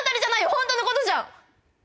ホントのことじゃん！